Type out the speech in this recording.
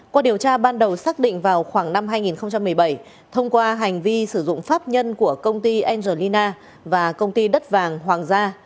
qua điều tra ban đầu xác định vào khoảng năm hai nghìn một mươi bảy thông qua hành vi sử dụng pháp nhân của công ty angelina và công ty đất vàng hoàng gia